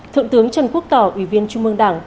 thượng tướng trần quốc tỏ ủy viên trung mương đảng